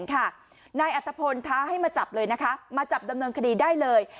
นายอัตภพลท้าให้มาจับเลยนะคะมาจับดำเนินคดีได้เลย